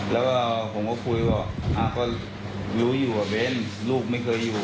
แล้วก็ผมก็คุยว่าก็รู้อยู่ว่าเบ้นลูกไม่เคยอยู่